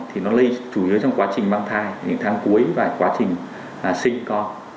thì nó lây chủ yếu trong quá trình mang thai những tháng cuối và quá trình sinh con